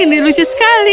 ini lucu sekali